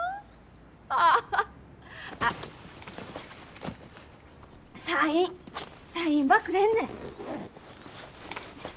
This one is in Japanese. ああっあっサインサインばくれんね